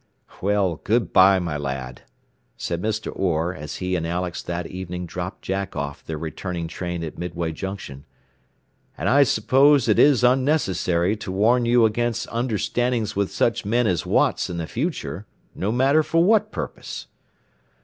"Well, good by, my lad," said Mr. Orr, as he and Alex that evening dropped Jack off their returning train at Midway Junction. "And I suppose it is unnecessary to warn you against understandings with such men as Watts in the future, no matter for what purpose."